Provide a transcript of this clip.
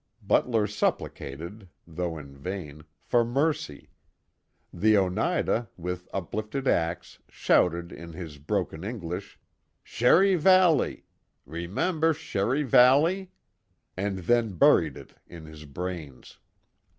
Butler supplicated, though in vain, for mercy; the Oneida, with uplifted axe, shouted in his broken English, " Sherry Valley! Remember Sherry Valley ?" and then buried it in his brains.